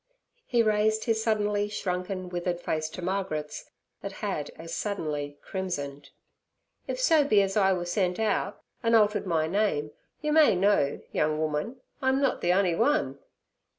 He raised his suddenly shrunken, withered face to Margaret's, that had as suddenly crimsoned. 'If so be az I were sent out, an' altered my name, yer may know, young woman, I'm nut ther on'y one.